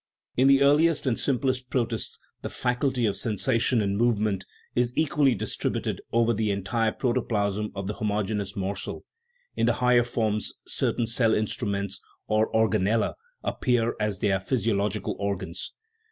In the earliest and sim plest protists the faculty of sensation and movement is equally distributed over the entire protoplasm of the homogeneous morsel ; in the higher forms certain " cell instruments," or organdla, appear, as their physio logical organs.